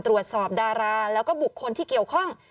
ตรวจสอบดาราแล้วก็บุกคนที่เกี่ยวข้อง